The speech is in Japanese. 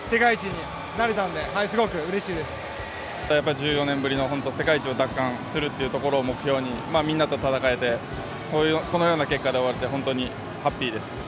１４年ぶりの世界一を奪還するというところでみんなと戦えて、このような結果で終われて本当にハッピーです。